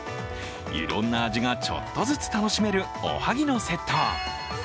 いろんな味がちょっとずつ楽しめる、おはぎのセット。